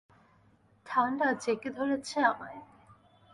ঠান্ডা জেঁকে ধরেছে আমায়।